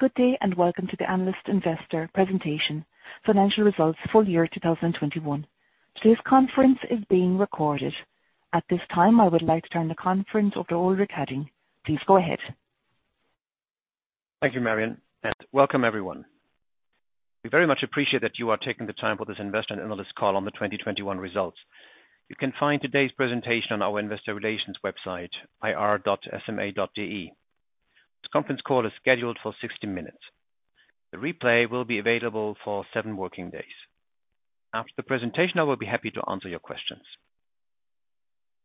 Good day and welcome to the Analyst & Investor Presentation Financial Results Full Year 2021. Today's conference is being recorded. At this time, I would like to turn the conference over to Ulrich Hadding. Please go ahead. Thank you, Marion, and welcome everyone. We very much appreciate that you are taking the time for this investor analyst call on the 2021 results. You can find today's presentation on our investor relations website, ir.sma.de. This conference call is scheduled for 60 minutes. The replay will be available for 7 working days. After the presentation, I will be happy to answer your questions.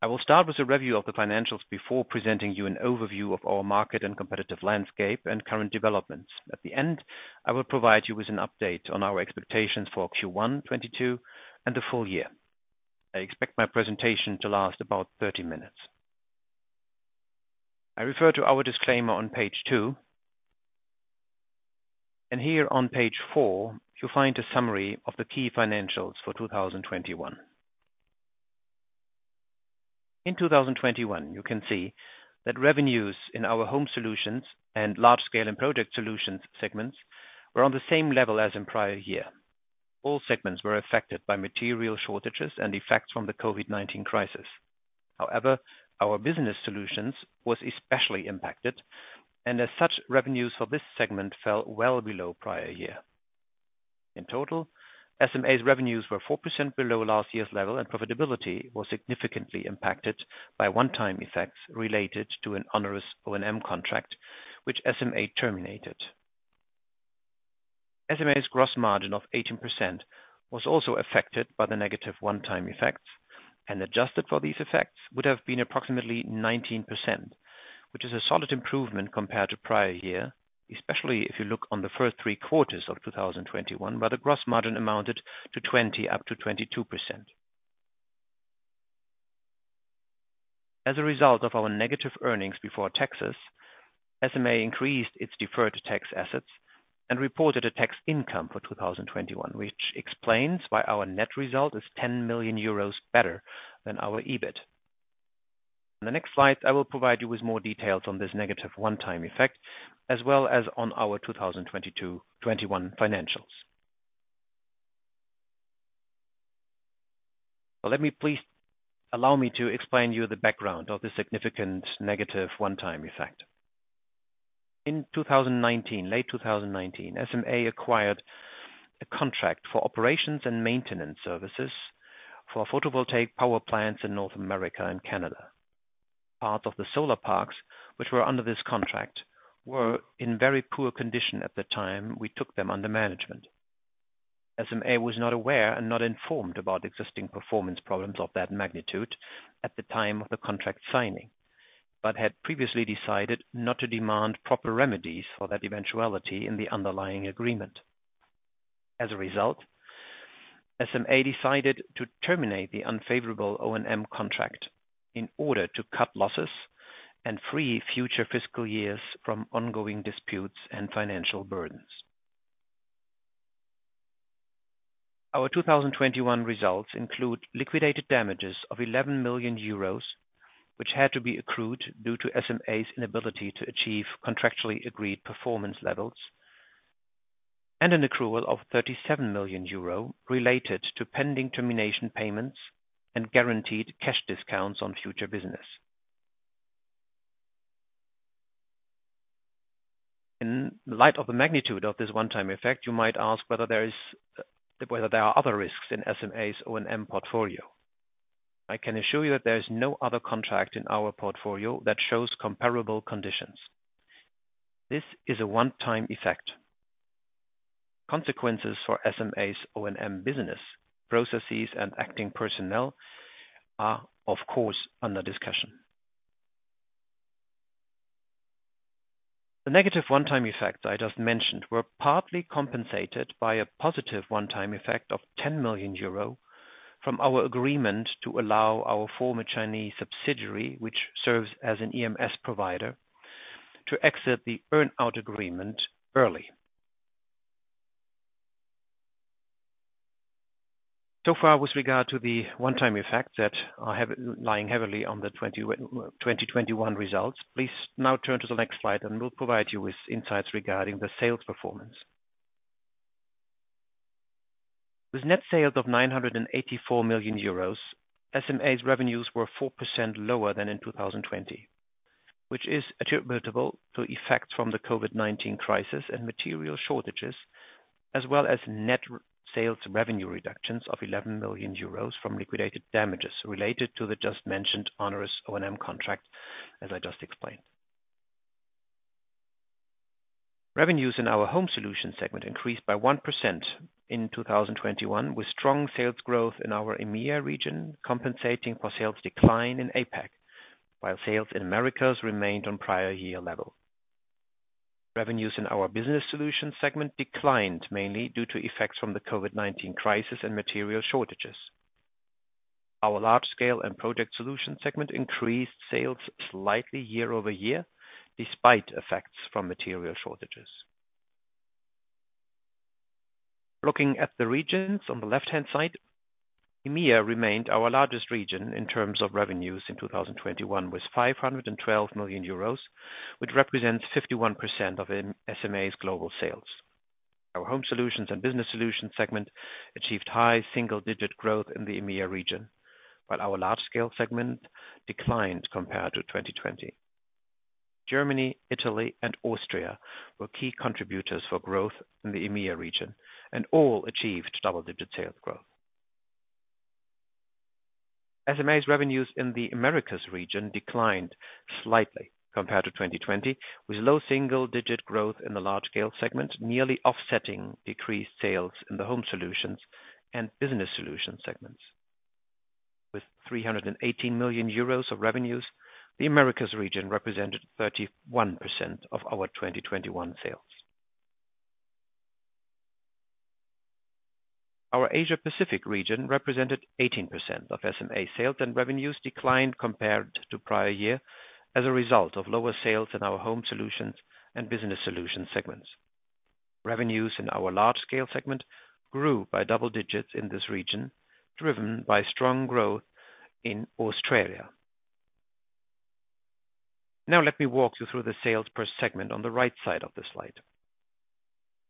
I will start with a review of the financials before presenting you an overview of our market and competitive landscape and current developments. At the end, I will provide you with an update on our expectations for Q1 2022 and the full year. I expect my presentation to last about 30 minutes. I refer to our disclaimer on page 2. Here on page 4, you'll find a summary of the key financials for 2021. In 2021, you can see that revenues in our Home Solutions and Large Scale and Project Solutions segments were on the same level as in prior year. All segments were affected by material shortages and effects from the COVID-19 crisis. However, our Business Solutions was especially impacted and as such, revenues for this segment fell well below prior year. In total, SMA's revenues were 4% below last year's level, and profitability was significantly impacted by one-time effects related to an onerous O&M contract, which SMA terminated. SMA's gross margin of 18% was also affected by the negative one-time effects, and adjusted for these effects would have been approximately 19%, which is a solid improvement compared to prior year, especially if you look on the first three quarters of 2021, where the gross margin amounted to 20%-22%. As a result of our negative earnings before taxes, SMA increased its deferred tax assets and reported a tax income for 2021, which explains why our net result is 10 million euros better than our EBIT. On the next slide, I will provide you with more details on this negative one-time effect, as well as on our 2022-21 financials. Allow me to explain to you the background of the significant negative one-time effect. In 2019, late 2019, SMA acquired a contract for operations and maintenance services for photovoltaic power plants in North America and Canada. Parts of the solar parks, which were under this contract, were in very poor condition at the time we took them under management. SMA was not aware and not informed about existing performance problems of that magnitude at the time of the contract signing, but had previously decided not to demand proper remedies for that eventuality in the underlying agreement. As a result, SMA decided to terminate the unfavorable O&M contract in order to cut losses and free future fiscal years from ongoing disputes and financial burdens. Our 2021 results include liquidated damages of 11 million euros, which had to be accrued due to SMA's inability to achieve contractually agreed performance levels and an accrual of $37 million related to pending termination payments and guaranteed cash discounts on future business. In light of the magnitude of this one-time effect, you might ask whether there are other risks in SMA's O&M portfolio. I can assure you that there is no other contract in our portfolio that shows comparable conditions. This is a one-time effect. Consequences for SMA's O&M business processes and acting personnel are, of course, under discussion. The negative one-time effects I just mentioned were partly compensated by a positive one-time effect of 10 million euro from our agreement to allow our former Chinese subsidiary, which serves as an EMS provider, to exit the earn-out agreement early. So far with regard to the one-time effects that are weighing heavily on the 2021 results, please now turn to the next slide, and we'll provide you with insights regarding the sales performance. With net sales of 984 million euros, SMA's revenues were 4% lower than in 2020, which is attributable to effects from the COVID-19 crisis and material shortages, as well as net sales revenue reductions of 11 million euros from liquidated damages related to the just mentioned onerous O&M contract, as I just explained. Revenues in our Home Solutions segment increased by 1% in 2021, with strong sales growth in our EMEA region compensating for sales decline in APAC, while sales in Americas remained on prior year level. Revenues in our Business Solutions segment declined mainly due to effects from the COVID-19 crisis and material shortages. Our Large Scale and Project Solutions segment increased sales slightly year-over-year despite effects from material shortages. Looking at the regions on the left-hand side, EMEA remained our largest region in terms of revenues in 2021 with 512 million euros, which represents 51% of SMA's global sales. Our Home Solutions and Business Solutions segment achieved high single-digit growth in the EMEA region, while our Large Scale segment declined compared to 2020. Germany, Italy, and Austria were key contributors for growth in the EMEA region and all achieved double-digit sales growth. SMA's revenues in the Americas region declined slightly compared to 2020, with low single-digit growth in the Large Scale segment, nearly offsetting decreased sales in the Home Solutions and Business Solutions segments. With 318 million euros of revenues, the Americas region represented 31% of our 2021 sales. Our Asia-Pacific region represented 18% of SMA sales, and revenues declined compared to prior year as a result of lower sales in our Home Solutions and Business Solutions segments. Revenues in our Large Scale segment grew by double digits in this region, driven by strong growth in Australia. Now let me walk you through the sales per segment on the right side of the slide.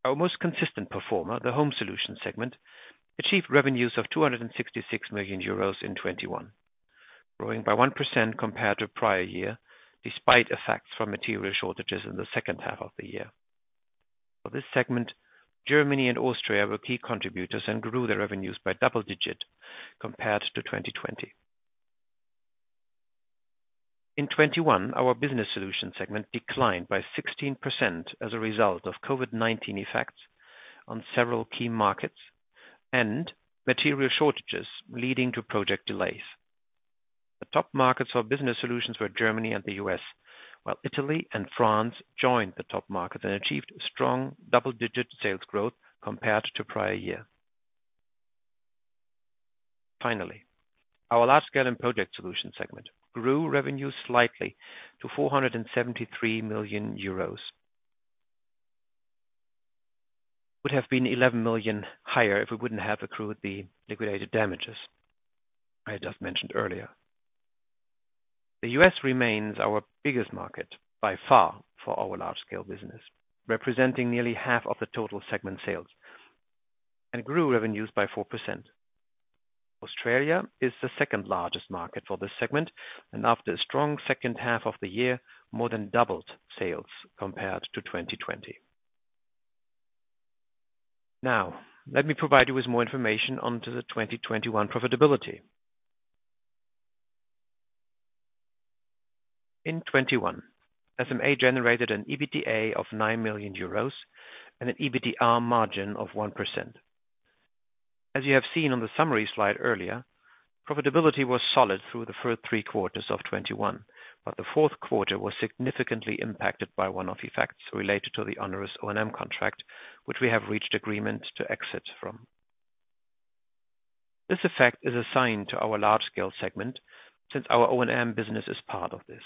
Our most consistent performer, the Home Solutions segment, achieved revenues of 266 million euros in 2021, growing by 1% compared to prior year, despite effects from material shortages in the second half of the year. For this segment, Germany and Austria were key contributors and grew their revenues by double digits compared to 2020. In 2021, our Business Solutions segment declined by 16% as a result of COVID-19 effects on several key markets and material shortages leading to project delays. The top markets for Business Solutions were Germany and the U.S., while Italy and France joined the top markets and achieved strong double-digit sales growth compared to prior year. Finally, our Large Scale and Project Solutions segment grew revenues slightly to 473 million euros. Would have been 11 million higher if we wouldn't have accrued the liquidated damages I just mentioned earlier. The U.S. remains our biggest market by far for our large scale business, representing nearly half of the total segment sales, and grew revenues by 4%. Australia is the second largest market for this segment, and after a strong H2 of the year, more than doubled sales compared to 2020. Now, let me provide you with more information onto the 2021 profitability. In 2021, SMA generated an EBITDA of 9 million euros and an EBITDA margin of 1%. As you have seen on the summary slide earlier, profitability was solid through the first three quarters of 2021, but the Q4 was significantly impacted by one-off effects related to the onerous O&M contract, which we have reached agreement to exit from. This effect is assigned to our large scale segment since our O&M business is part of this.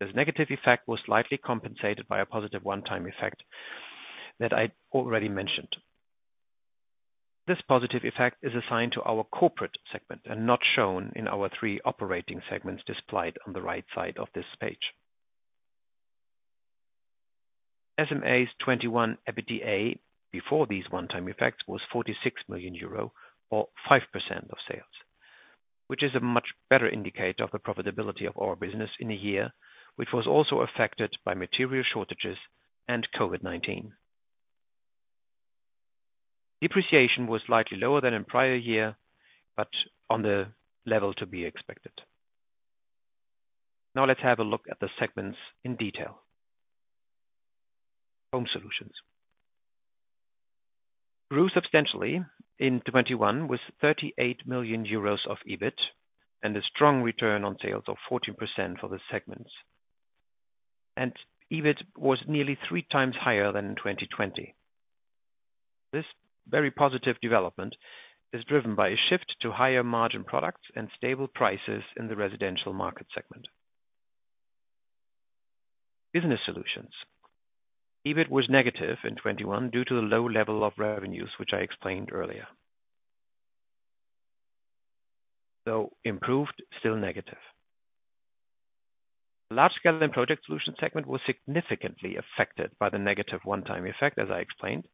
This negative effect was slightly compensated by a positive one-time effect that I already mentioned. This positive effect is assigned to our corporate segment and not shown in our three operating segments displayed on the right side of this page. SMA's 2021 EBITDA before these one-time effects was 46 million euro or 5% of sales, which is a much better indicator of the profitability of our business in a year, which was also affected by material shortages and COVID-19. Depreciation was slightly lower than in prior year, but on the level to be expected. Now let's have a look at the segments in detail. Home Solutions. Grew substantially in 2021 with 38 million euros of EBIT and a strong return on sales of 14% for this segment. EBIT was nearly three times higher than in 2020. This very positive development is driven by a shift to higher margin products and stable prices in the residential market segment. Business Solutions. EBIT was negative in 2021 due to the low level of revenues, which I explained earlier. Though improved, still negative. Large Scale and Project Solutions segment was significantly affected by the negative one-time effect, as I explained.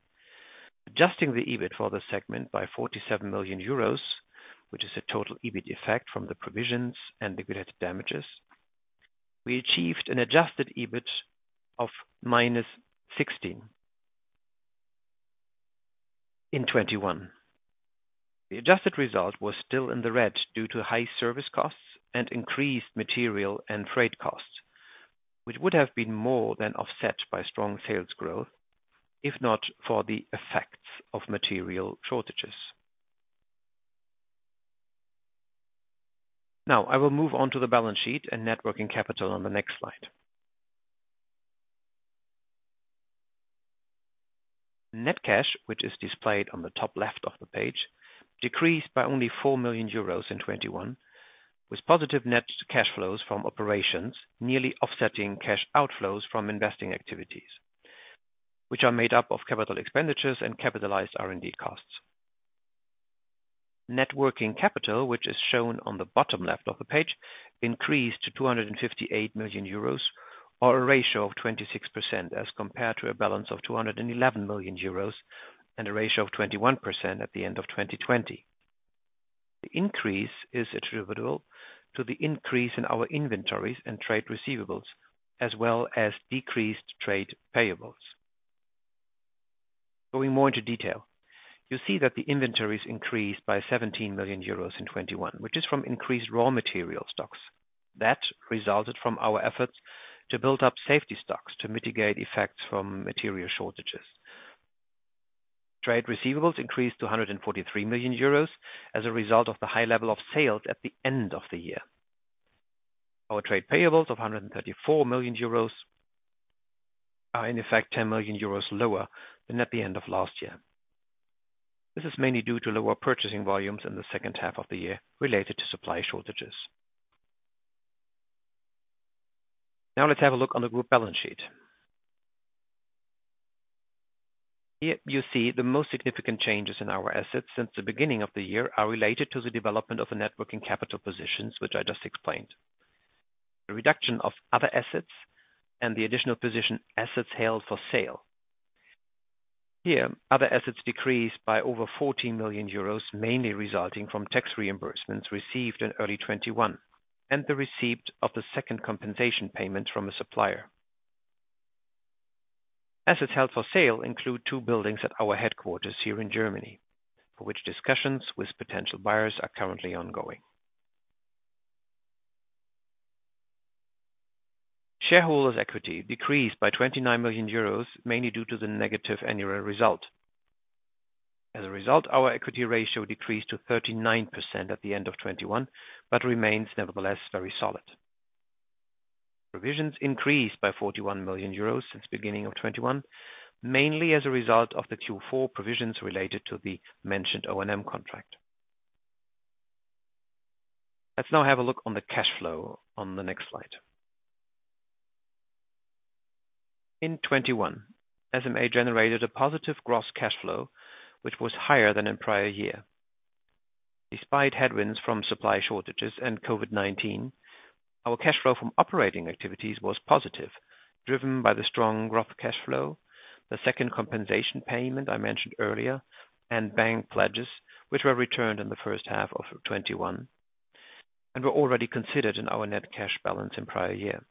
Adjusting the EBIT for the segment by 47 million euros, which is a total EBIT effect from the provisions and liquidated damages, we achieved an adjusted EBIT of -16 million in 2021. The adjusted result was still in the red due to high service costs and increased material and freight costs, which would have been more than offset by strong sales growth if not for the effects of material shortages. Now I will move on to the balance sheet and net working capital on the next slide. Net cash, which is displayed on the top left of the page. Decreased by only 4 million euros in 2021, with positive net cash flows from operations nearly offsetting cash outflows from investing activities, which are made up of capital expenditures and capitalized R&D costs. Net working capital, which is shown on the bottom left of the page, increased to 258 million euros or a ratio of 26% as compared to a balance of 211 million euros and a ratio of 21% at the end of 2020. The increase is attributable to the increase in our inventories and trade receivables, as well as decreased trade payables. Going more into detail, you see that the inventories increased by 17 million euros in 2021, which is from increased raw material stocks. That resulted from our efforts to build up safety stocks to mitigate effects from material shortages. Trade receivables increased to 143 million euros as a result of the high level of sales at the end of the year. Our trade payables of 134 million euros are in fact 10 million euros lower than at the end of last year. This is mainly due to lower purchasing volumes in the H2 of the year related to supply shortages. Now let's have a look on the group balance sheet. Here you see the most significant changes in our assets since the beginning of the year are related to the development of the net working capital positions, which I just explained, the reduction of other assets and the additional position assets held for sale. Here, other assets decreased by over 14 million euros, mainly resulting from tax reimbursements received in early 2021 and the receipt of the second compensation payment from a supplier. Assets held for sale include two buildings at our headquarters here in Germany, for which discussions with potential buyers are currently ongoing. Shareholders equity decreased by 29 million euros, mainly due to the negative annual result. As a result, our equity ratio decreased to 39% at the end of 2021, but remains nevertheless very solid. Provisions increased by 41 million euros since beginning of 2021, mainly as a result of the Q4 provisions related to the mentioned O&M contract. Let's now have a look on the cash flow on the next slide. In 2021, SMA generated a positive gross cash flow, which was higher than in prior year. Despite headwinds from supply shortages and COVID-19, our cash flow from operating activities was positive, driven by the strong growth cash flow, the second compensation payment I mentioned earlier, and bank pledges, which were returned in the H1 of 2021 and were already considered in our net cash balance in prior year.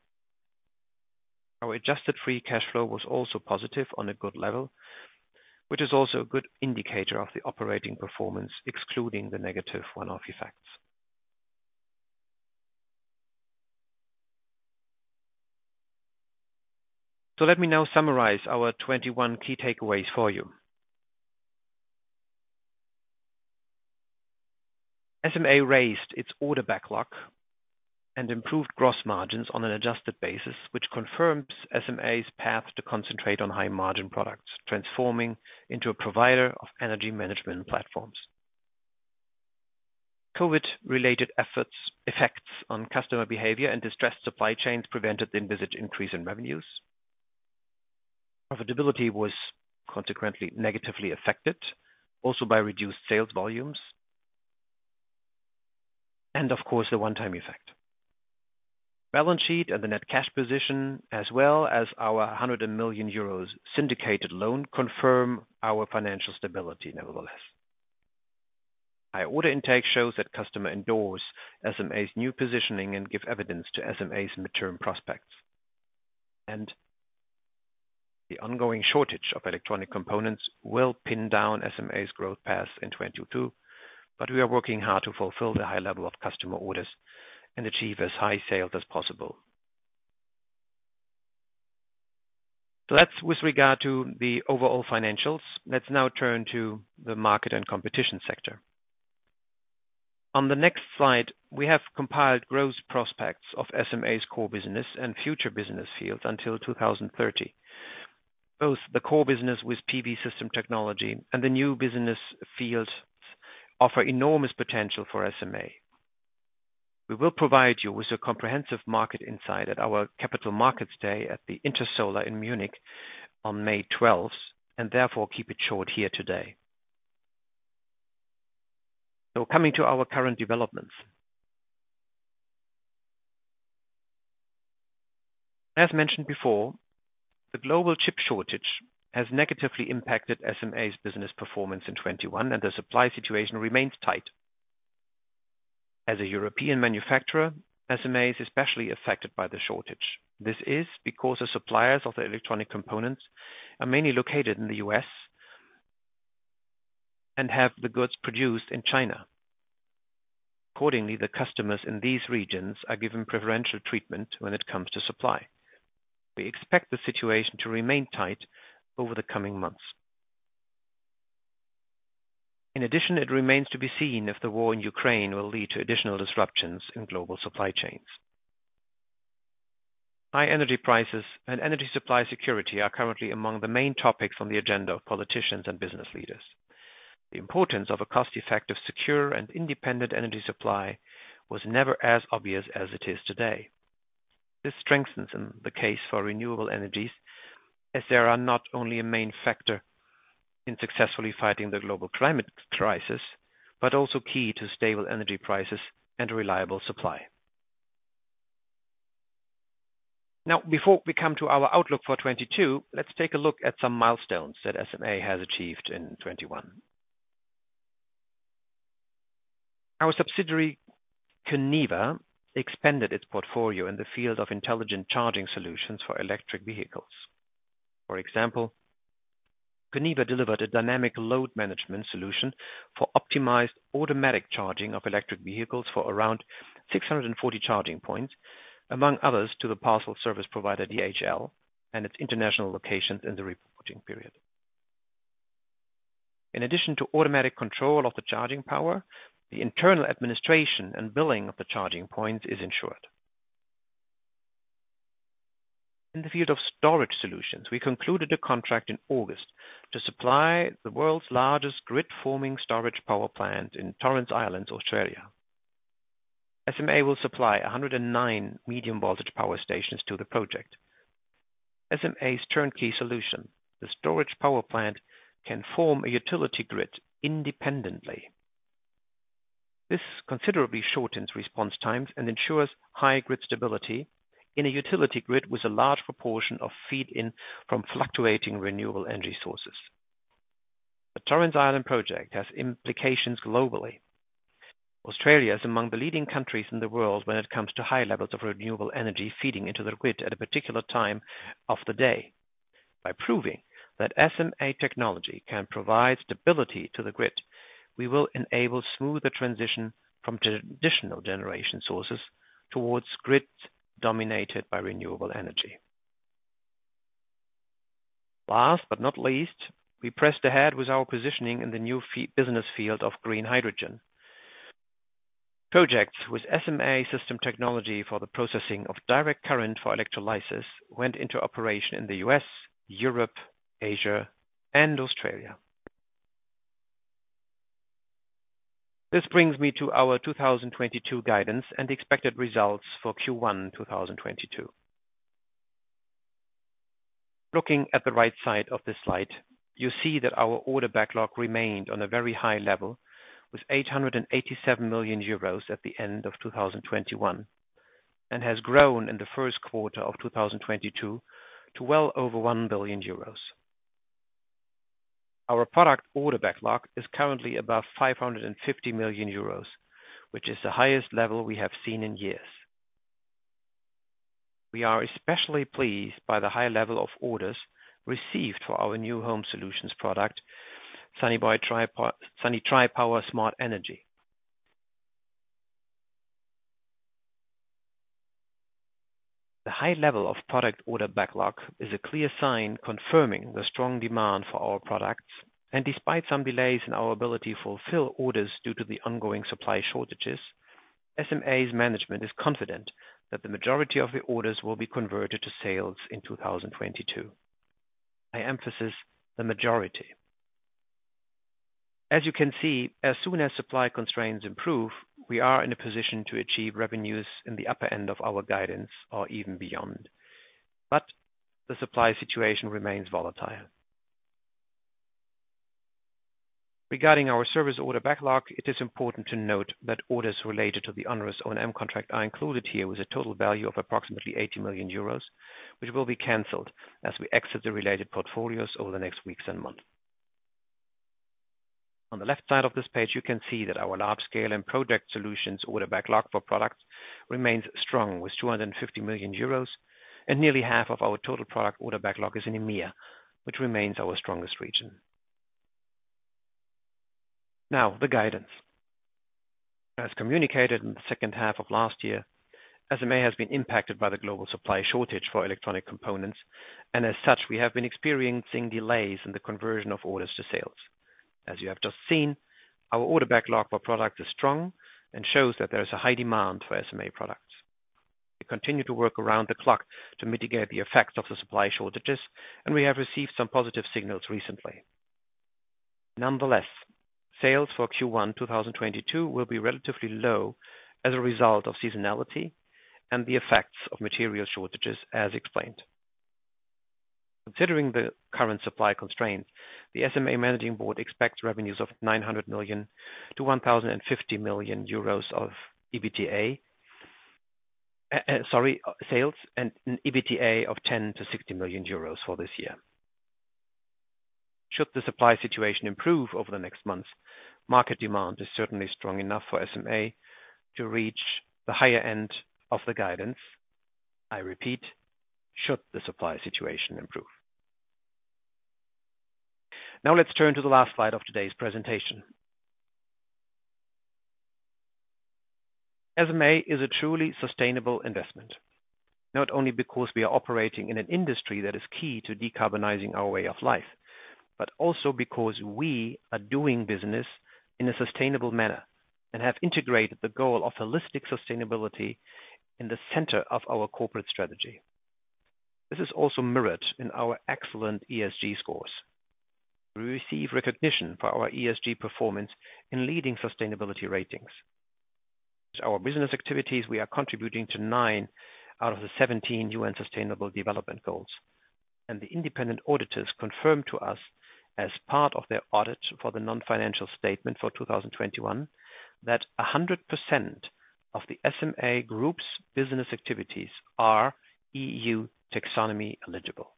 Our adjusted free cash flow was also positive on a good level, which is also a good indicator of the operating performance, excluding the negative one-off effects. Let me now summarize our 2021 key takeaways for you. SMA raised its order backlog and improved gross margins on an adjusted basis, which confirms SMA's path to concentrate on high margin products, transforming into a provider of energy management platforms. COVID-related effects on customer behavior and distressed supply chains prevented the envisioned increase in revenues. Profitability was consequently negatively affected also by reduced sales volumes and of course, the one-time effect. Balance sheet and the net cash position, as well as our 100 million euros syndicated loan, confirm our financial stability, nevertheless. High order intake shows that customers endorse SMA's new positioning and give evidence to SMA's midterm prospects. The ongoing shortage of electronic components will pin down SMA's growth path in 2022, but we are working hard to fulfill the high level of customer orders and achieve as high sales as possible. That's with regard to the overall financials. Let's now turn to the market and competition sector. On the next slide, we have compiled growth prospects of SMA's core business and future business fields until 2030. Both the core business with PV system technology and the new business fields offer enormous potential for SMA. We will provide you with a comprehensive market insight at our Capital Markets Day at the Intersolar in Munich on May 12, and therefore keep it short here today. Coming to our current developments. As mentioned before, the global chip shortage has negatively impacted SMA's business performance in 2021, and the supply situation remains tight. As a European manufacturer, SMA is especially affected by the shortage. This is because the suppliers of the electronic components are mainly located in the U.S. and have the goods produced in China. Accordingly, the customers in these regions are given preferential treatment when it comes to supply. We expect the situation to remain tight over the coming months. In addition, it remains to be seen if the war in Ukraine will lead to additional disruptions in global supply chains. High energy prices and energy supply security are currently among the main topics on the agenda of politicians and business leaders. The importance of a cost-effective, secure and independent energy supply was never as obvious as it is today. This strengthens the case for renewable energies as they are not only a main factor in successfully fighting the global climate crisis, but also key to stable energy prices and reliable supply. Now, before we come to our outlook for 2022, let's take a look at some milestones that SMA has achieved in 2021. Our subsidiary, Coneva, expanded its portfolio in the field of intelligent charging solutions for electric vehicles. For example, Coneva delivered a dynamic load management solution for optimized automatic charging of electric vehicles for around 640 charging points, among others, to the parcel service provider DHL and its international locations in the reporting period. In addition to automatic control of the charging power, the internal administration and billing of the charging points is ensured. In the field of storage solutions, we concluded a contract in August to supply the world's largest grid forming storage power plant in Torrens Island, Australia. SMA will supply 109 Medium Voltage Power Stations to the project. SMA's turnkey solution, the storage power plant can form a utility grid independently. This considerably shortens response times and ensures high grid stability in a utility grid with a large proportion of feed-in from fluctuating renewable energy sources. The Torrens Island project has implications globally. Australia is among the leading countries in the world when it comes to high levels of renewable energy feeding into the grid at a particular time of the day. By proving that SMA technology can provide stability to the grid, we will enable smoother transition from traditional generation sources towards grids dominated by renewable energy. Last but not least, we pressed ahead with our positioning in the new field of business of green hydrogen. Projects with SMA system technology for the processing of direct current for electrolysis went into operation in the U.S., Europe, Asia and Australia. This brings me to our 2022 guidance and expected results for Q1 2022. Looking at the right side of this slide, you see that our order backlog remained on a very high level with 887 million euros at the end of 2021, and has grown in the Q1 of 2022 to well over 1 billion euros. Our product order backlog is currently above 550 million euros, which is the highest level we have seen in years. We are especially pleased by the high level of orders received for our new Home Solutions product, Sunny Tripower Smart Energy. The high level of product order backlog is a clear sign confirming the strong demand for our products. Despite some delays in our ability to fulfill orders due to the ongoing supply shortages, SMA's management is confident that the majority of the orders will be converted to sales in 2022. I emphasize the majority. As you can see, as soon as supply constraints improve, we are in a position to achieve revenues in the upper end of our guidance or even beyond. The supply situation remains volatile. Regarding our service order backlog, it is important to note that orders related to the onerous O&M contract are included here with a total value of approximately 80 million euros, which will be canceled as we exit the related portfolios over the next weeks and months. On the left side of this page, you can see that our Large Scale and Project Solutions order backlog for products remains strong with 250 million euros and nearly half of our total product order backlog is in EMEA, which remains our strongest region. Now the guidance. As communicated in the H2 of last year, SMA has been impacted by the global supply shortage for electronic components and as such, we have been experiencing delays in the conversion of orders to sales. As you have just seen, our order backlog for product is strong and shows that there is a high demand for SMA products. We continue to work around the clock to mitigate the effects of the supply shortages, and we have received some positive signals recently. Nonetheless, sales for Q1 2022 will be relatively low as a result of seasonality and the effects of material shortages as explained. Considering the current supply constraints, the SMA managing board expects revenues of 900 million-1,050 million euros of EBITDA, sales and an EBITDA of 10 million-60 million euros for this year. Should the supply situation improve over the next months, market demand is certainly strong enough for SMA to reach the higher end of the guidance. I repeat, should the supply situation improve. Now let's turn to the last slide of today's presentation. SMA is a truly sustainable investment, not only because we are operating in an industry that is key to decarbonizing our way of life, but also because we are doing business in a sustainable manner and have integrated the goal of holistic sustainability in the center of our corporate strategy. This is also mirrored in our excellent ESG scores. We receive recognition for our ESG performance in leading sustainability ratings. Our business activities. We are contributing to nine out of the 17 UN Sustainable Development Goals. The independent auditors confirm to us, as part of their audit for the non-financial statement for 2021, that 100% of the SMA Group's business activities are EU taxonomy eligible.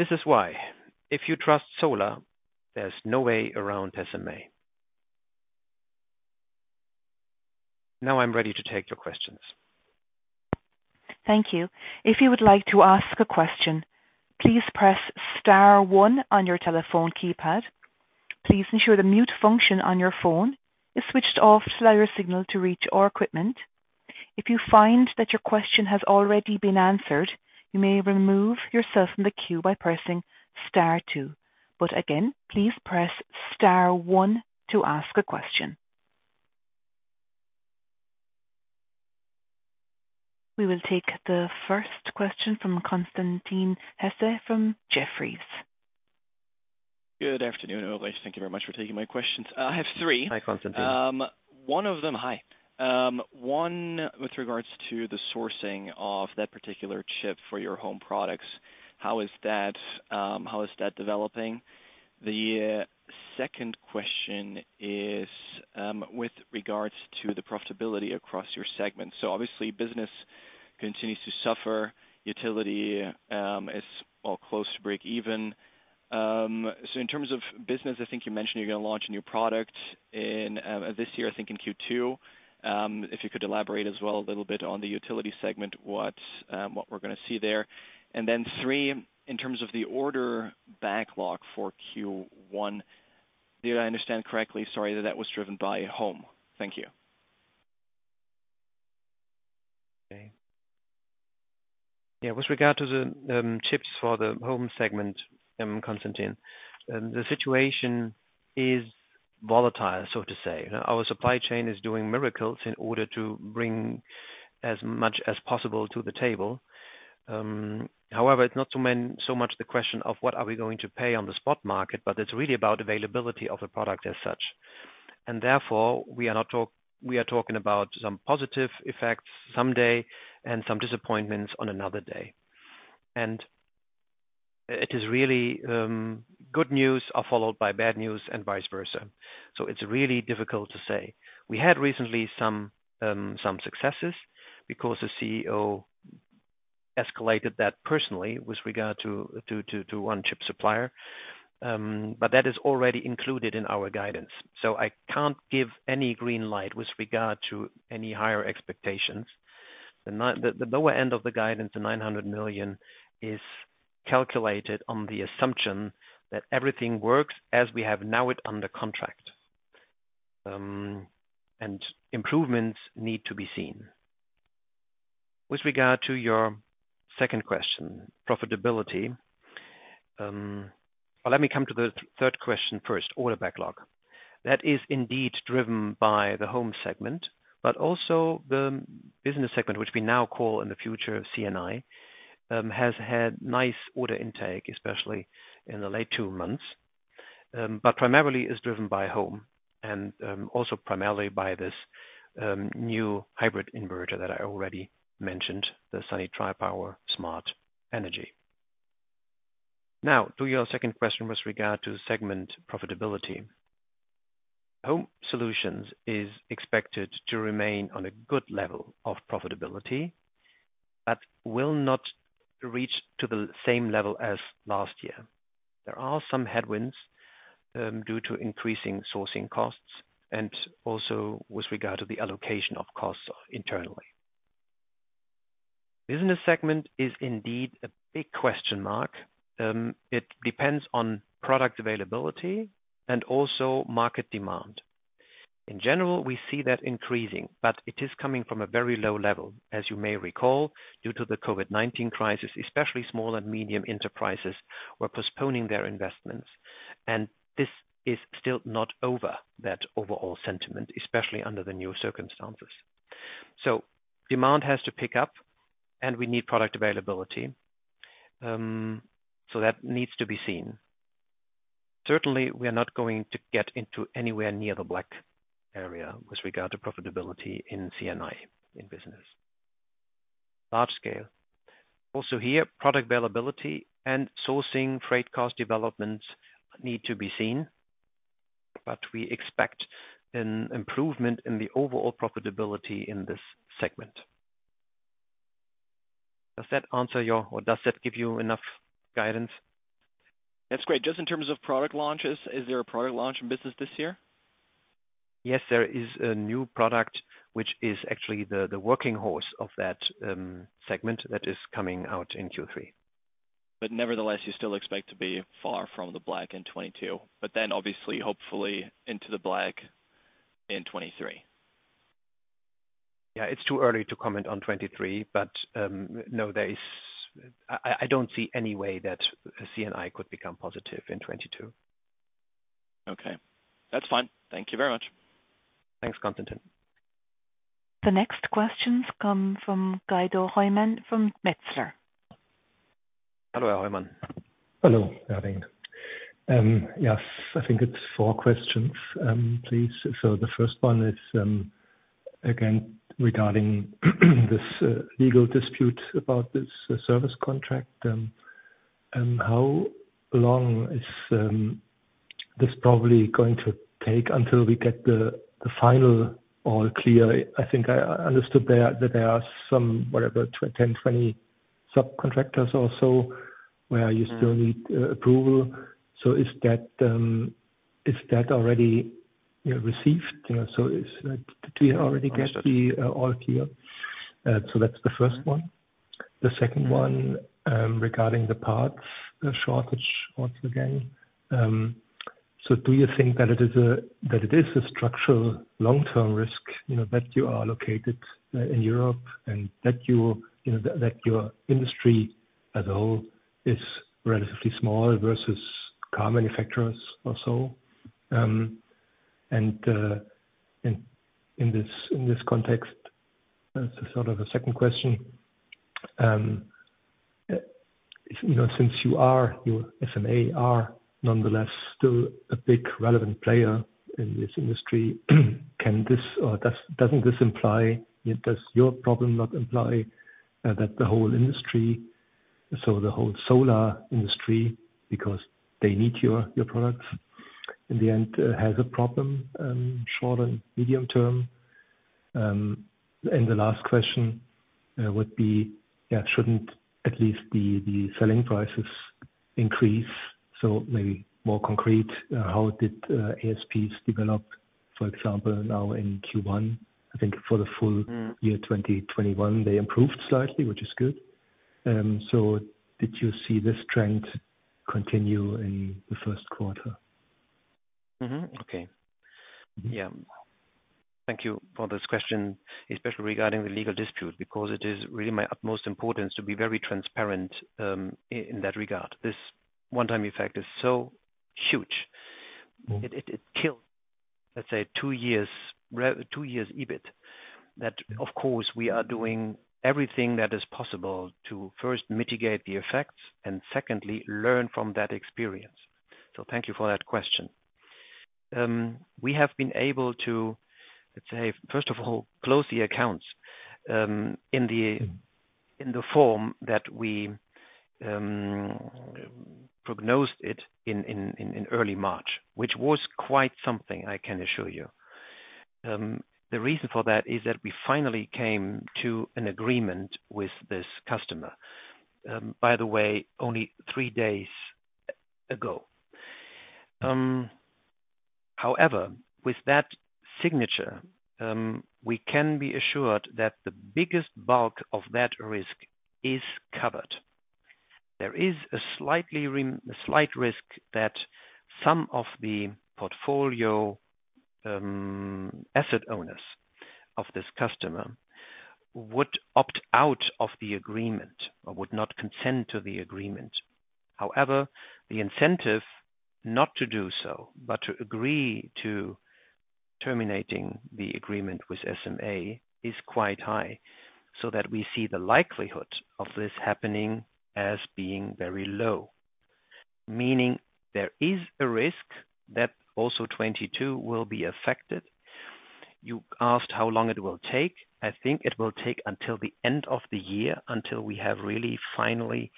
This is why, if you trust solar, there's no way around SMA. Now I'm ready to take your questions. Thank you. If you would like to ask a question, please press star one on your telephone keypad. Please ensure the mute function on your phone is switched off to allow your signal to reach our equipment. If you find that your question has already been answered, you may remove yourself from the queue by pressing star two. But again, please press star one to ask a question. We will take the first question from Constantin Hesse from Jefferies. Good afternoon, Ulrich. Thank you very much for taking my questions. I have three. Hi, Constantin. Hi. One with regards to the sourcing of that particular chip for your home products. How is that developing? The second question is with regards to the profitability across your segments. Obviously business continues to suffer, utility is or close to breakeven. In terms of business, I think you mentioned you're going to launch a new product in this year, I think in Q2. If you could elaborate as well a little bit on the utility segment, what we're going to see there. Then three, in terms of the order backlog for Q1, did I understand correctly, sorry, that was driven by home? Thank you. Okay. Yeah, with regard to the chips for the home segment, Constantin, the situation is volatile, so to say. Our supply chain is doing miracles in order to bring as much as possible to the table. However, it's not so much the question of what are we going to pay on the spot market, but it's really about availability of the product as such. Therefore, we are talking about some positive effects someday and some disappointments on another day. It is really good news are followed by bad news and vice versa. It's really difficult to say. We had recently some successes because the CEO escalated that personally with regard to one chip supplier, but that is already included in our guidance. I can't give any green light with regard to any higher expectations. The lower end of the guidance, the 900 million, is calculated on the assumption that everything works as we have now it under contract. Improvements need to be seen. With regard to your second question, profitability. Let me come to the third question first. Order backlog. That is indeed driven by the home segment, but also the business segment, which we now call in the future C&I, has had nice order intake, especially in the last two months, but primarily is driven by home and, also primarily by this, new hybrid inverter that I already mentioned, the Sunny Tripower Smart Energy. Now, to your second question with regard to segment profitability. Home Solutions is expected to remain on a good level of profitability, but will not reach to the same level as last year. There are some headwinds due to increasing sourcing costs and also with regard to the allocation of costs internally. Business segment is indeed a big question mark. It depends on product availability and also market demand. In general, we see that increasing, but it is coming from a very low level. As you may recall, due to the COVID-19 crisis, especially small and medium enterprises were postponing their investments. This is still not over that overall sentiment, especially under the new circumstances. Demand has to pick up and we need product availability. That needs to be seen. Certainly, we are not going to get into anywhere near the black area with regard to profitability in C&I in business. Large Scale. Also here, product availability and sourcing freight cost developments need to be seen, but we expect an improvement in the overall profitability in this segment. Does that answer your, or does that give you enough guidance? That's great. Just in terms of product launches, is there a product launch in business this year? Yes, there is a new product, which is actually the workhorse of that segment that is coming out in Q3. Nevertheless, you still expect to be far from the black in 2022, but then obviously, hopefully into the black in 2023. Yeah, it's too early to comment on 2023, but no, I don't see any way that C&I could become positive in 2022. Okay. That's fine. Thank you very much. Thanks, Constantin. The next questions come from Guido Hoymann from Metzler. Hello, Hoymann. Hello, Ulrich. Yes, I think it's four questions, please. The first one is, again, regarding this legal dispute about this service contract, and how long is this probably going to take until we get the final all clear? I think I understood there that there are some, whatever, 10, 20 subcontractors or so where you still need approval. Is that already received? Did we already get the all clear? That's the first one. The second one, regarding the parts shortage once again. Do you think that it is a structural long-term risk that you are located in Europe and that that your industry as a whole is relatively small versus car manufacturers or so. In this context, as a sort of a second question since you SMA are nonetheless still a big relevant player in this industry, doesn't this imply that your problem implies that the whole industry, so the whole solar industry, because they need your products in the end, has a problem, short and medium term? The last question would be, shouldn't at least the selling prices increase? So maybe more concrete, how did ASPs develop, for example, now in Q1? I think for the full year 2021, they improved slightly, which is good. Did you see this trend continue in the Q1? Thank you for this question, especially regarding the legal dispute, because it is really my utmost importance to be very transparent in that regard. This one-time effect is so huge. It killed, let's say, two years EBIT. That, of course, we are doing everything that is possible to first mitigate the effects and secondly, learn from that experience. Thank you for that question. We have been able to, let's say, first of all, close the accounts in the form that we prognosed it in early March, which was quite something I can assure you. The reason for that is that we finally came to an agreement with this customer, by the way, only three days ago. However, with that signature, we can be assured that the biggest bulk of that risk is covered. There is a slight risk that some of the portfolio, asset owners of this customer would opt out of the agreement or would not consent to the agreement. However, the incentive not to do so, but to agree to terminating the agreement with SMA is quite high so that we see the likelihood of this happening as being very low. Meaning there is a risk that also 2022 will be affected. You asked how long it will take. I think it will take until the end of the year until we have really finally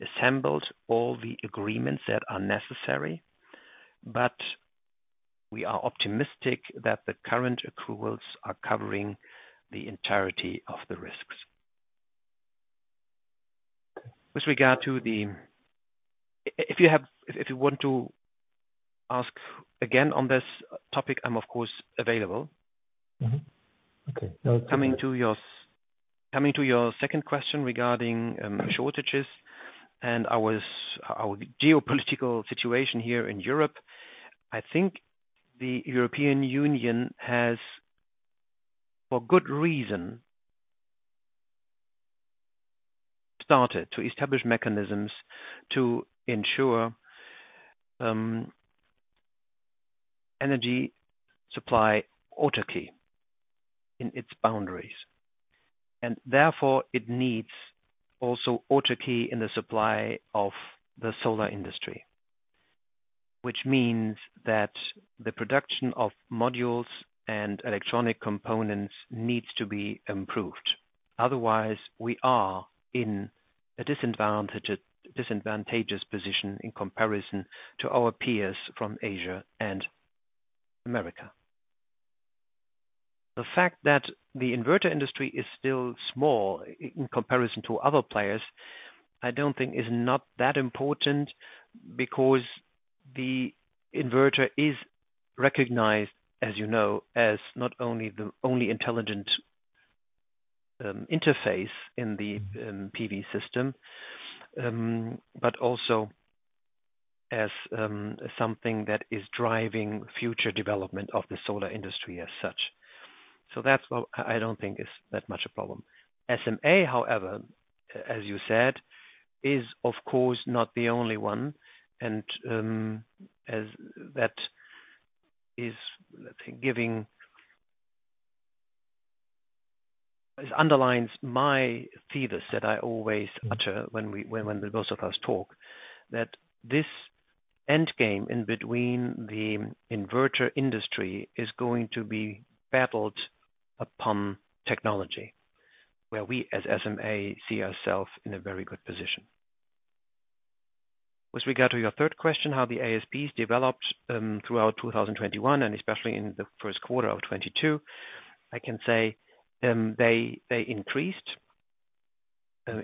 assembled all the agreements that are necessary. But we are optimistic that the current accruals are covering the entirety of the risks. With regard to the If you want to ask again on this topic, I'm of course available. Mm-hmm. Okay. Coming to your second question regarding shortages and our geopolitical situation here in Europe, I think the European Union has, for good reason, started to establish mechanisms to ensure energy supply autarky in its boundaries. Therefore, it needs also autarky in the supply of the solar industry. Which means that the production of modules and electronic components needs to be improved. Otherwise, we are in a disadvantageous position in comparison to our peers from Asia and America. The fact that the inverter industry is still small in comparison to other players, I don't think is not that important because the inverter is recognized, as not only the only intelligent interface in the PV system, but also as something that is driving future development of the solar industry as such. That's what I don't think is that much a problem. SMA, however, as you said, is of course not the only one, and as that is, let's say, giving it underlines my thesis that I always utter when we the both of us talk, that this end game in between the inverter industry is going to be battled upon technology where we, as SMA, see ourselves in a very good position. With regard to your third question, how the ASPs developed throughout 2021 and especially in the Q1 of 2022, I can say they increased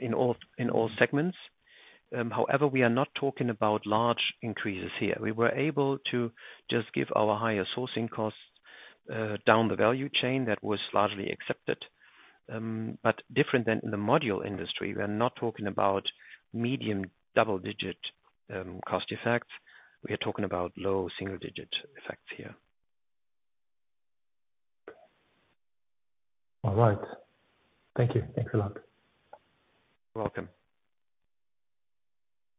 in all segments. However, we are not talking about large increases here. We were able to just give our higher sourcing costs down the value chain that was largely accepted. Different than in the module industry, we are not talking about medium double-digit cost effects. We are talking about low single-digit effects here. All right. Thank you. Thanks a lot. You're welcome.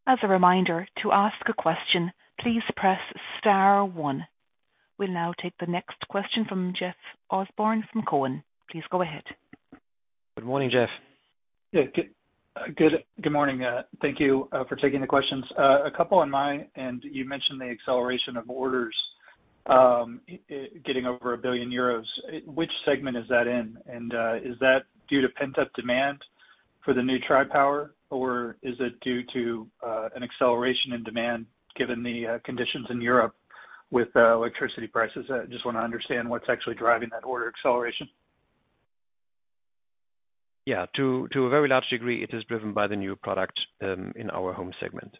As a reminder, to ask a question, please press star one. We'll now take the next question from Jeff Osborne from Cowen. Please go ahead. Good morning, Jeff. Yeah. Good morning. Thank you for taking the questions. A couple on my... You mentioned the acceleration of orders getting over 1 billion euros. Which segment is that in? And is that due to pent-up demand for the new Tripower, or is it due to an acceleration in demand given the conditions in Europe with electricity prices? I just want to understand what's actually driving that order acceleration. Yeah. To a very large degree, it is driven by the new product in our Home segment.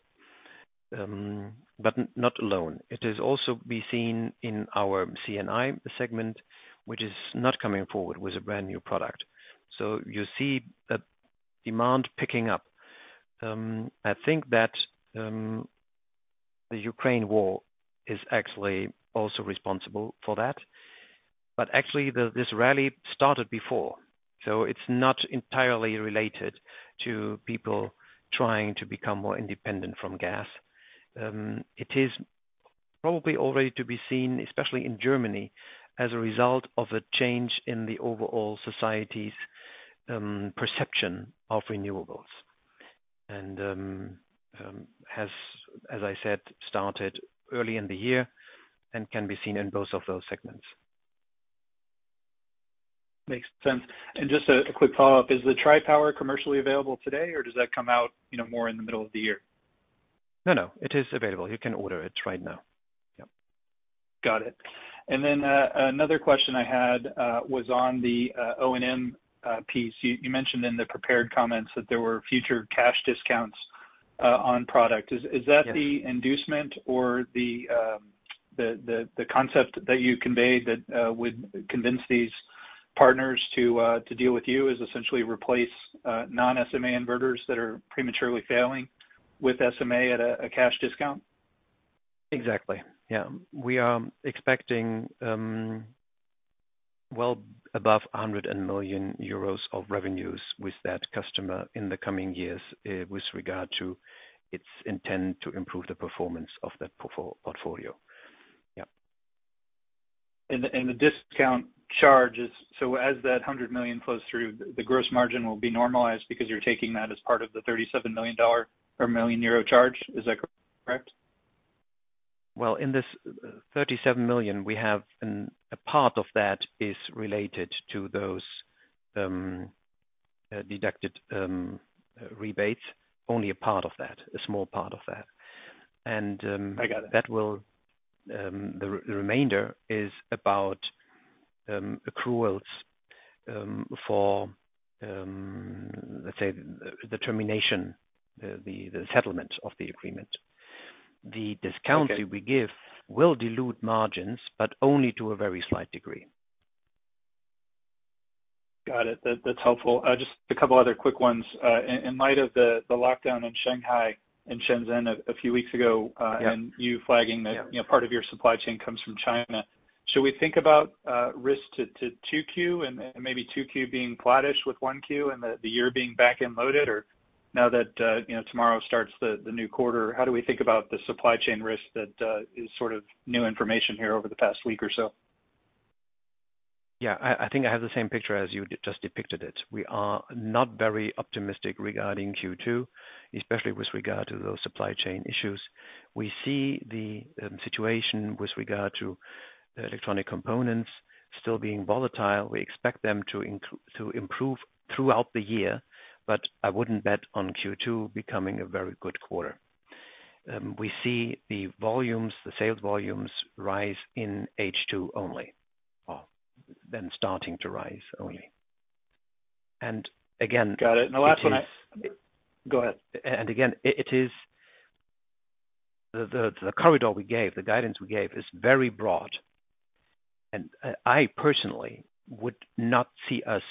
But not alone. It is also to be seen in our C&I segment, which is not coming forward with a brand new product. You see that demand picking up. I think that the Ukraine war is actually also responsible for that. But actually, this rally started before, so it's not entirely related to people trying to become more independent from gas. It is probably already to be seen, especially in Germany, as a result of a change in the overall society's perception of renewables. As I said, it started early in the year and can be seen in both of those segments. Makes sense. Just a quick follow-up. Is the Tripower commercially available today, or does that come out more in the middle of the year? No, no, it is available. You can order it right now. Yep. Got it. Another question I had was on the O&M piece. You mentioned in the prepared comments that there were future cash discounts on product. Yeah. Is that the inducement or the concept that you conveyed that would convince these partners to deal with you, is essentially replace non-SMA inverters that are prematurely failing with SMA at a cash discount? Exactly, yeah. We are expecting well above 100 million euros of revenues with that customer in the coming years, with regard to its intent to improve the performance of that portfolio. Yep. The discount charge is, so as that 100 million flows through, the gross margin will be normalized because you're taking that as part of the $37 million or 37 million euro charge. Is that correct? Well, in this $37 million, we have a part of that is related to those deducted rebates, only a part of that, a small part of that. I got it.... that will, the remainder is about accruals for, let's say, the termination, the settlement of the agreement. Okay. The discount we give will dilute margins, but only to a very slight degree. Got it. That, that's helpful. Just a couple other quick ones. In light of the lockdown in Shanghai and Shenzhen a few weeks ago. Yeah you flagging that. Yeah Part of your supply chain comes from China. Should we think about risk to 2Q and maybe 2Q being flatish with 1Q and the year being back-end loaded? Or now that tomorrow starts the new quarter, how do we think about the supply chain risk that is sort of new information here over the past week or so? Yeah. I think I have the same picture as you just depicted it. We are not very optimistic regarding Q2, especially with regard to those supply chain issues. We see the situation with regard to the electronic components still being volatile. We expect them to improve throughout the year, but I wouldn't bet on Q2 becoming a very good quarter. We see the volumes, the sales volumes rise in H2 only, or then starting to rise only. Again- Got it. Now, last one. It is. Go ahead. Again, it is the corridor we gave, the guidance we gave is very broad. I personally would not see us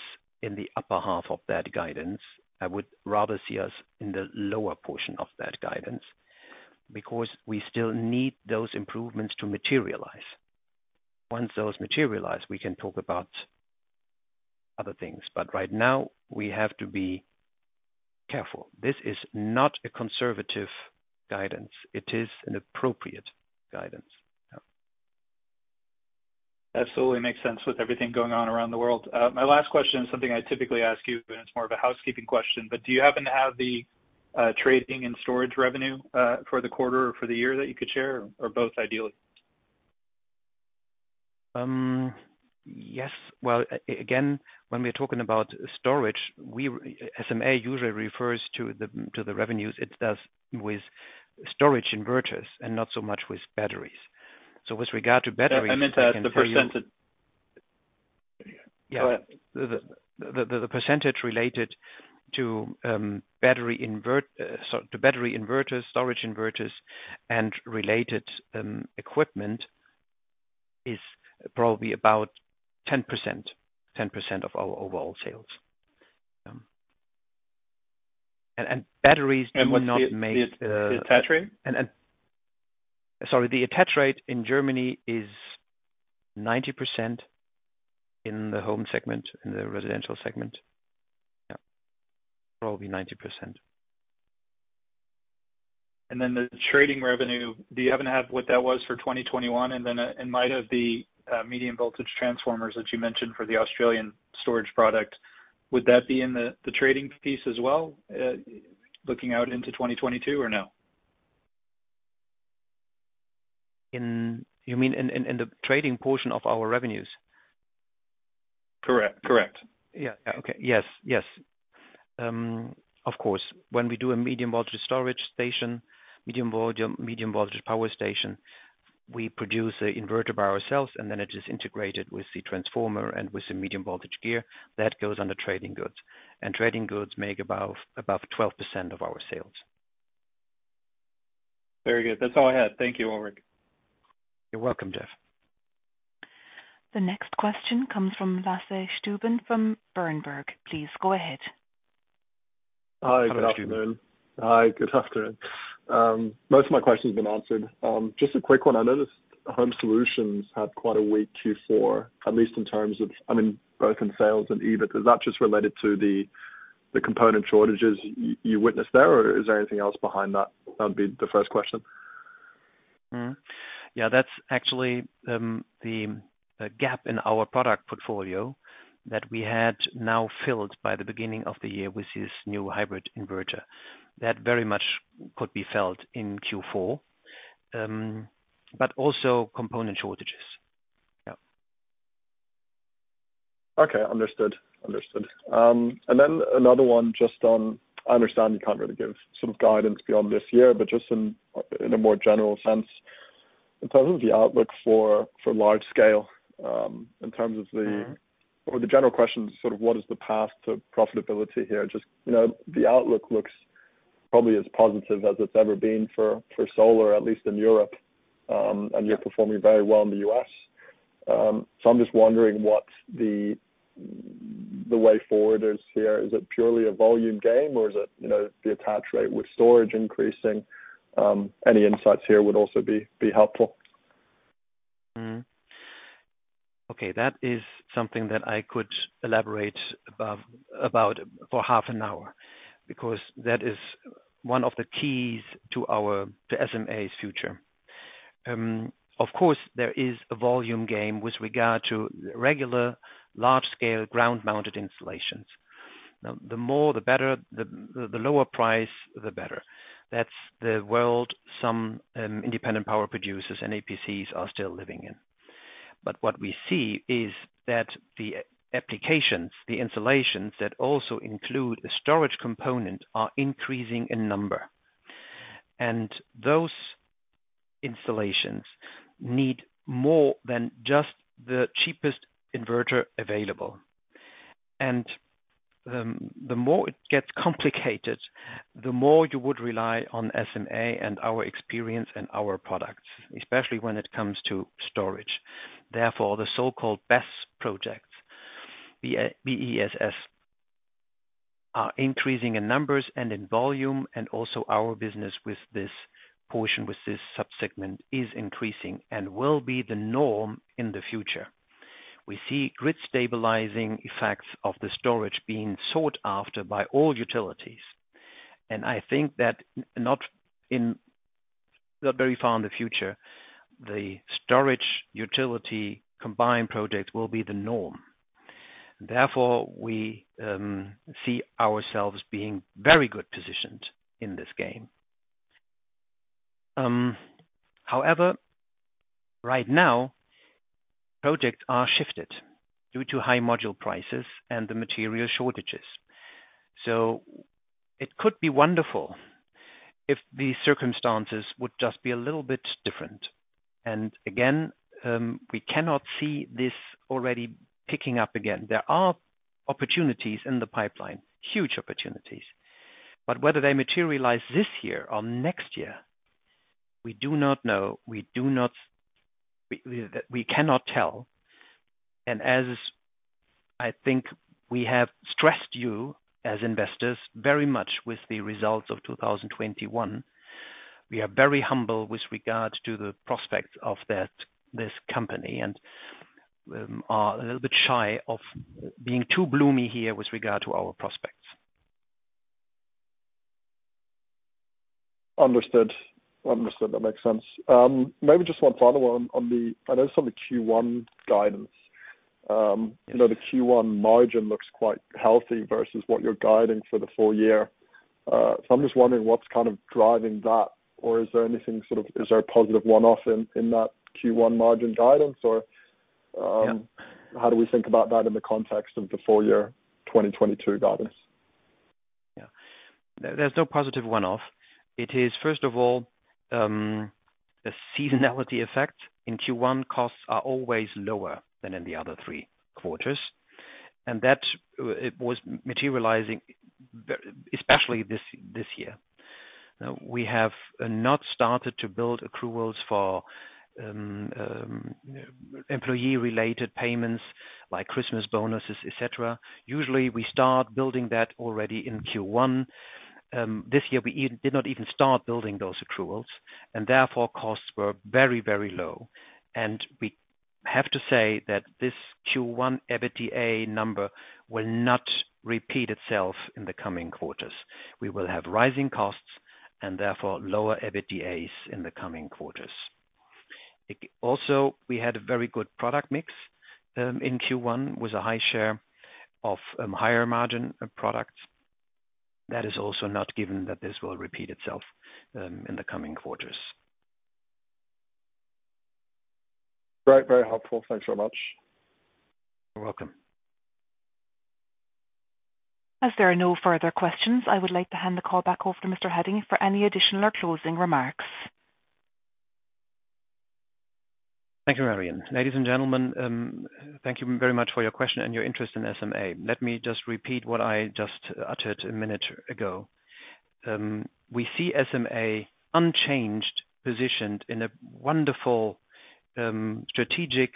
in the upper half of that guidance. I would rather see us in the lower portion of that guidance because we still need those improvements to materialize. Once those materialize, we can talk about other things, but right now we have to be careful. This is not a conservative guidance, it is an appropriate guidance. Absolutely makes sense with everything going on around the world. My last question is something I typically ask you, and it's more of a housekeeping question, but do you happen to have the trading and storage revenue for the quarter or for the year that you could share or both, ideally? Yes. Well, again, when we're talking about storage, SMA usually refers to the revenues it does with storage inverters and not so much with batteries. So with regard to batteries, I can tell you- I meant the percentage. Yeah. Go ahead. The percentage related to battery inverters, storage inverters and related equipment is probably about 10%. 10% of our overall sales. Batteries do not make Would the attach rate? Sorry. The attach rate in Germany is 90% in the home segment, in the residential segment. Yeah, probably 90%. The trading revenue, do you happen to have what that was for 2021? In light of the medium voltage transformers that you mentioned for the Australian storage product, would that be in the trading piece as well, looking out into 2022 or no? You mean in the trading portion of our revenues? Correct. Correct. Of course, when we do a Medium Voltage Power Station, we produce the inverter by ourselves, and then it is integrated with the transformer and with the medium voltage gear that goes under trading goods. Trading goods make above 12% of our sales. Very good. That's all I had. Thank you, Ulrich. You're welcome, Jeff. The next question comes from Lasse Stüben from Berenberg. Please go ahead. Hi, Lasse Stüben. Good afternoon. Most of my questions have been answered. Just a quick one. I noticed Home Solutions had quite a weak Q4, at least in terms of, I mean, both in sales and EBIT. Is that just related to the component shortages you witnessed there, or is there anything else behind that? That would be the first question. Mm-hmm. Yeah, that's actually the gap in our product portfolio that we had now filled by the beginning of the year with this new hybrid inverter. That very much could be felt in Q4, but also component shortages. Yeah. Okay. Understood. Another one just on. I understand you can't really give sort of guidance beyond this year, but just in a more general sense, in terms of the outlook for large scale, in terms of the Mm-hmm. The general question is sort of what is the path to profitability here? Just the outlook looks probably as positive as it's ever been for solar, at least in Europe. Yeah. You're performing very well in the U.S. I'm just wondering what the way forward is here. Is it purely a volume game or is it, the attach rate with storage increasing? Any insights here would also be helpful. That is something that I could elaborate about for half an hour because that is one of the keys to our, to SMA's future. Of course, there is a volume game with regard to regular large-scale ground-mounted installations. Now the more, the better the lower price, the better. That's the world some independent power producers and EPCs are still living in. What we see is that the applications, the installations that also include a storage component, are increasing in number. Those installations need more than just the cheapest inverter available. The more it gets complicated, the more you would rely on SMA and our experience and our products, especially when it comes to storage. Therefore, the so-called BESS projects, B-E-S-S, are increasing in numbers and in volume. Our business with this portion, with this subsegment, is increasing and will be the norm in the future. We see grid stabilizing effects of the storage being sought after by all utilities. I think that not very far in the future, the storage utility combined projects will be the norm. Therefore, we see ourselves being very good positioned in this game. However, right now, projects are shifted due to high module prices and the material shortages. It could be wonderful if these circumstances would just be a little bit different. Again, we cannot see this already picking up again. There are opportunities in the pipeline, huge opportunities. Whether they materialize this year or next year, we do not know. We cannot tell. As I think we have stressed you as investors very much with the results of 2021, we are very humble with regard to the prospects of this company, and are a little bit shy of being too boomy here with regard to our prospects. Understood. That makes sense. Maybe just one final one. I know some of the Q1 guidance. The Q1 margin looks quite healthy versus what you're guiding for the full year. So I'm just wondering what's kind of driving that? Or is there anything sort of? Is there a positive one-off in that Q1 margin guidance or Yeah. How do we think about that in the context of the full year 2022 guidance? Yeah. There's no positive one-off. It is first of all, a seasonality effect. In Q1, costs are always lower than in the other three quarters, and that was materializing especially this year. Now we have not started to build accruals for employee related payments like Christmas bonuses, et cetera. Usually, we start building that already in Q1. This year we did not even start building those accruals, and therefore costs were very, very low. We have to say that this Q1 EBITDA number will not repeat itself in the coming quarters. We will have rising costs and therefore lower EBITDAs in the coming quarters. Also, we had a very good product mix in Q1 with a high share of higher margin products. That is also not given that this will repeat itself in the coming quarters. Great. Very helpful. Thanks so much. You're welcome. As there are no further questions, I would like to hand the call back over to Mr. Hadding for any additional or closing remarks. Thank you, Marion. Ladies and gentlemen, thank you very much for your question and your interest in SMA. Let me just repeat what I just uttered a minute ago. We see SMA unchanged, positioned in a wonderful, strategic,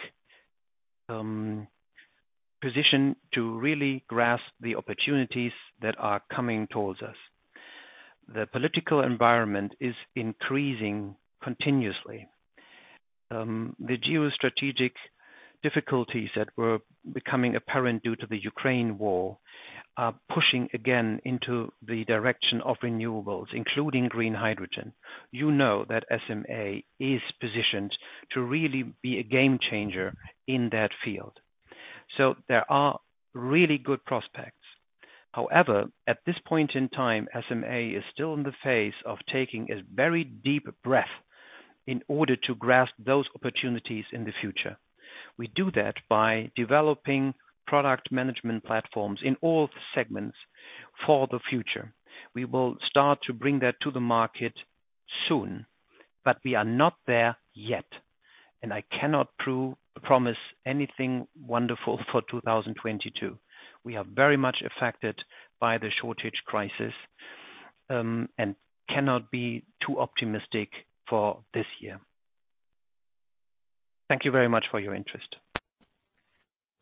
position to really grasp the opportunities that are coming towards us. The political environment is increasing continuously. The geostrategic difficulties that were becoming apparent due to the Ukraine war are pushing again into the direction of renewables, including green hydrogen. That SMA is positioned to really be a game changer in that field. There are really good prospects. However, at this point in time, SMA is still in the phase of taking a very deep breath in order to grasp those opportunities in the future. We do that by developing product management platforms in all segments for the future. We will start to bring that to the market soon, but we are not there yet, and I cannot promise anything wonderful for 2022. We are very much affected by the shortage crisis, and cannot be too optimistic for this year. Thank you very much for your interest.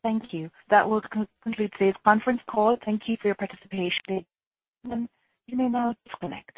Thank you. That will conclude today's conference call. Thank you for your participation. You may now disconnect.